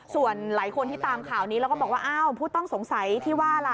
ส่วนหลายคนที่ตามข่าวนี้แล้วก็บอกว่าอ้าวผู้ต้องสงสัยที่ว่าล่ะ